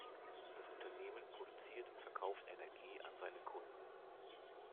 Das Unternehmen produziert und verkauft Energie an seine Kunden.